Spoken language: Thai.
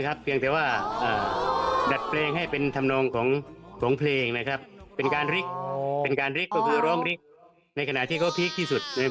เพียงแต่ว่าดัดแปลงให้เป็นธรรมนองของเพลงนะครับเป็นการริกเป็นการริกก็คือร้องริกในขณะที่เขาพีคที่สุดนะครับ